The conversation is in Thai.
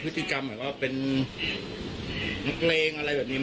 พลุกไปต่างอย่าง